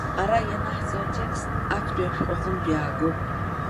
Ара ианаҳҵо атекст актәи ашәҟәы аҟнытә иаагоуп.